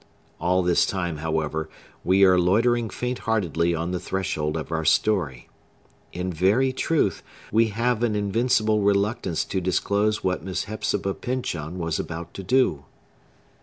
All this time, however, we are loitering faintheartedly on the threshold of our story. In very truth, we have an invincible reluctance to disclose what Miss Hepzibah Pyncheon was about to do.